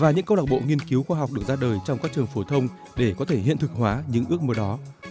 và những câu lạc bộ nghiên cứu khoa học được ra đời trong các trường phổ thông để có thể hiện thực hóa những ước mơ đó